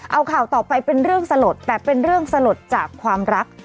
เอาข่าวต่อไปเป็นเรื่องสลดแต่เป็นเรื่องสลดจากความรัก